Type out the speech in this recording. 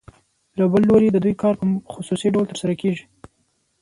له بل لوري د دوی کار په خصوصي ډول ترسره کېږي